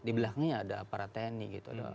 di belakangnya ada aparat tni gitu